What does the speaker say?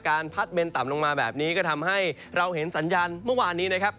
พัดเมนต่ำลงมาแบบนี้ก็ทำให้เราเห็นสัญญาณเมื่อวานนี้นะครับ